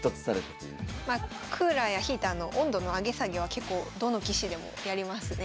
まあクーラーやヒーターの温度の上げ下げは結構どの棋士でもやりますね。